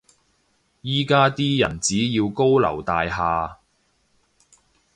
依家啲人只要高樓大廈